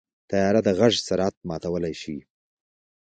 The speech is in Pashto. طیاره د غږ سرعت ماتولی شي.